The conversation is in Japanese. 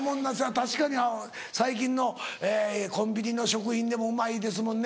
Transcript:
確かに最近のコンビニの食品でもうまいですもんね。